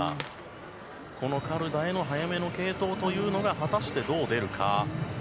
カルダへの早めの継投が果たしてどう出るか。